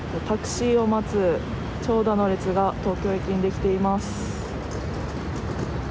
タクシーを待つ長蛇の列が東京駅にできています。